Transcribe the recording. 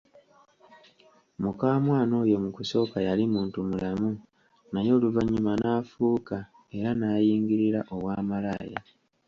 Mukamwana oyo mu kusooka yali muntu mulamu naye oluvanyuma n‘afuuka, era nayingirira obwamalaaya.